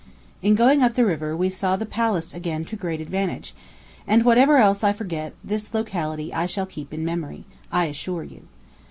In going up the river, we saw the palace again to great advantage; and, whatever else I forget, this locality I shall keep in memory, I assure you.